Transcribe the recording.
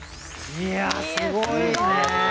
いやすごい！